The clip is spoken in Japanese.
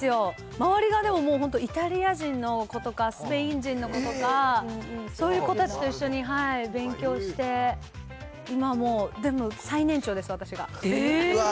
周りがもう本当、イタリア人の子とか、スペイン人の子とか、そういう子たちと一緒に勉強して、今はもう、でも、最年長です、私がうわー。